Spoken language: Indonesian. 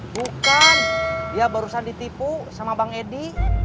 bukan dia barusan ditipu sama bang edi